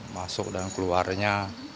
masuk dan keluarnya